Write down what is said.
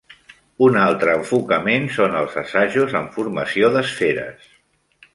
Un altre enfocament són els assajos amb formació d'esferes.